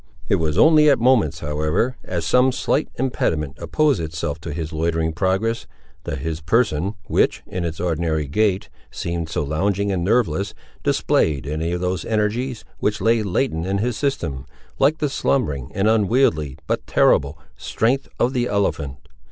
It was, only at moments, however, as some slight impediment opposed itself to his loitering progress, that his person, which, in its ordinary gait seemed so lounging and nerveless, displayed any of those energies, which lay latent in his system, like the slumbering and unwieldy, but terrible, strength of the elephant.